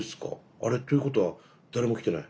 あれということは誰も来てない？